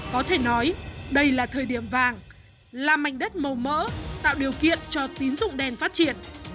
có thể nói đây là thời điểm vàng là mảnh đất màu mỡ tạo điều kiện cho tín dụng đen phát triển